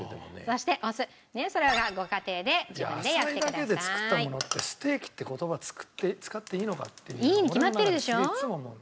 野菜だけで作ったものってステーキって言葉使っていいのかっていう俺の中でいつも思うんだよ。